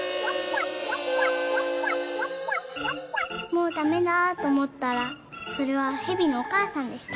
「もうダメだとおもったらそれはへびのおかあさんでした。